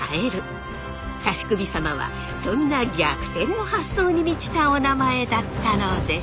指首様はそんな逆転の発想に満ちたお名前だったのです。